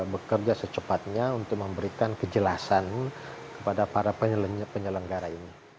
bekerja secepatnya untuk memberikan kejelasan kepada para penyelenggara ini